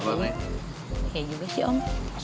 ya juga sih om